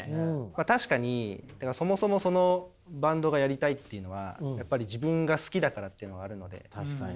確かにそもそもそのバンドがやりたいっていうのはやっぱり自分が好きだからっていうのはあるので。